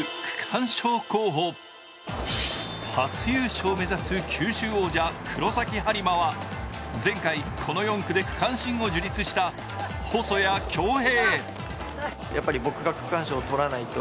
初優勝を目指す九州王者黒崎播磨は前回、この４区で区間新を樹立した細谷恭平。